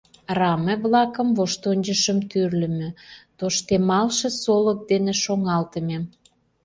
Раме-влакым, воштончышым тӱрлымӧ, тоштемалше солык дене шоҥалтыме.